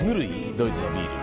ドイツのビール。